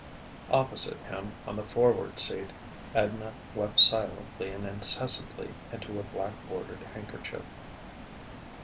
Opposite him, on the forward seat, Edna wept silently and incessantly into a black bordered handkerchief.